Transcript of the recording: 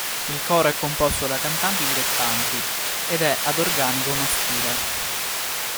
Il coro è composto da cantanti dilettanti ed è ad organico maschile.